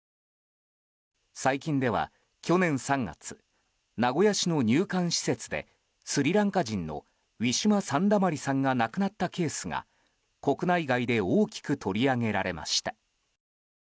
最近では去年３月名古屋市の入管施設でスリランカ人のウィシュマ・サンダマリさんが亡くなったケースが、国内外で大きく取り上げられました。